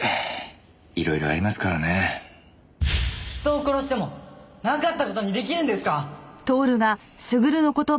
人を殺してもなかった事に出来るんですか？